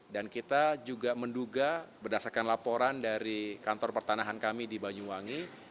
dan kita juga menduga berdasarkan laporan dari kantor pertanahan kami di banyuwangi